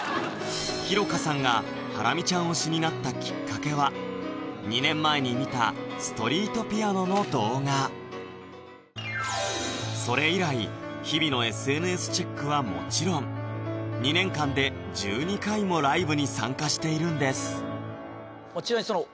ひろかさんがハラミちゃん推しになったきっかけは２年前に見たストリートピアノの動画それ以来日々のＳＮＳチェックはもちろん２年間で１２回もライブに参加しているんです